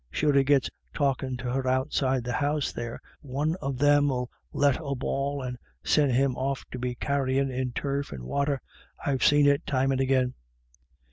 Sure, if he gets talkin' to her outside the house there, one of them 'ill let a bawl and send him off to be carryin' in turf or wather; I've seen it times and agin."